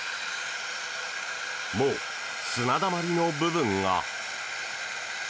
もう砂だまりの部分が。